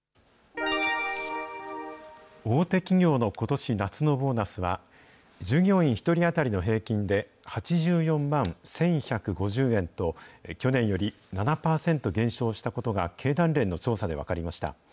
大手企業のことし夏のボーナスは、従業員１人当たりの平均で８４万１１５０円と、去年より７％減少したことが、経団連の調査で分かりました。